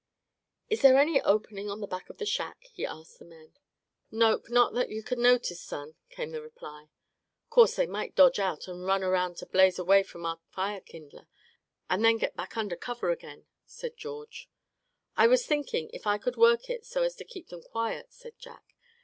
"Is there any opening on the back of the shack?" he asked the men. "Nope, not that yuh cud notice, son," came the reply. "Course, they might dodge out and run around to blaze away at our fire kindler, and then get back under cover again," suggested George. "I was thinking if I could work it so as to keep them quiet," said Jack.